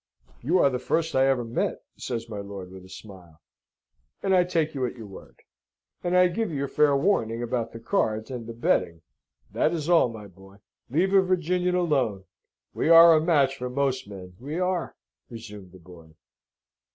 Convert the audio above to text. "You are the first I ever met," says my lord, with a smile, "and I take you at your word. And I give you fair warning about the cards, and the betting, that is all, my boy." "Leave a Virginian alone! We are a match for most men, we are," resumed the boy.